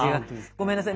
ごめんなさい。